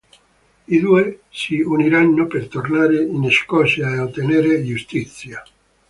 I due si uniranno per tornare in Scozia e ottenere giustizia.